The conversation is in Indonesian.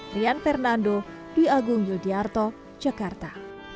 rian fernando dwi agung yudiarto jakarta